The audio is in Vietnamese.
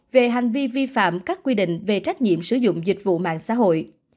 về hành vi vi phạm các quy định về trách nhiệm sử dụng dịch vụ mạng xã hội